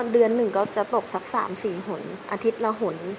เดือนหนึ่งก็จะตกสัก๓๔หนอาทิตย์ละหน